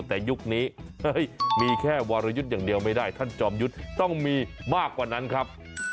แต่ยุคนี้มีแค่วรยุทธ์อย่างเดียวไม่ได้ท่านจอมยุทธ์ต้องมีมากกว่านั้นครับ